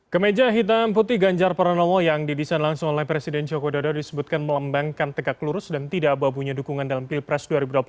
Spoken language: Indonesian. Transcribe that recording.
kemeja hitam putih ganjar pranowo yang didesain langsung oleh presiden joko dodo disebutkan melembangkan tegak lurus dan tidak ababunya dukungan dalam pilpres dua ribu dua puluh empat